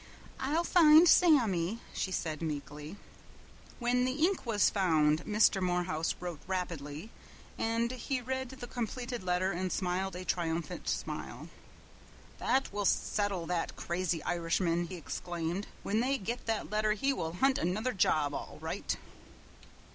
"I'll find Sammy," she said meekly. When the ink was found Mr. Morehouse wrote rapidly, and he read the completed letter and smiled a triumphant smile. "That will settle that crazy Irishman!" he exclaimed. "When they get that letter he will hunt another job, all right!"